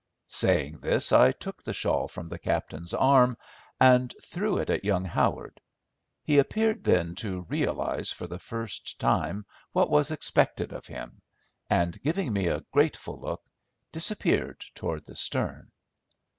Saying this, I took the shawl from the captain's arm and threw it at young Howard. He appeared then to realise, for the first time, what was expected of him, and, giving me a grateful look, disappeared toward the stern.